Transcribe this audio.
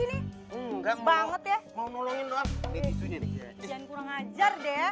eh jangan kurang ajar ya